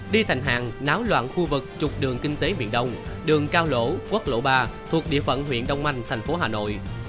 đi thành hàng náo loạn khu vực trục đường kinh tế biển đông đường cao lỗ quốc lộ ba thuộc địa phận huyện đông anh thành phố hà nội